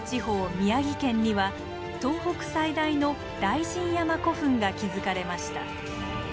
宮城県には東北最大の雷神山古墳が築かれました。